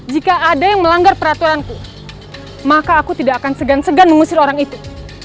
jika ada yang melanggar peraturanku maka aku tidak akan segan segan mengusir orang itu